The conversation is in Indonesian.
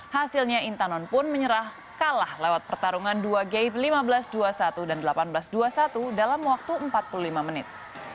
hasilnya intanon pun menyerah kalah lewat pertarungan dua game lima belas dua puluh satu dan delapan belas dua puluh satu dalam waktu empat puluh lima menit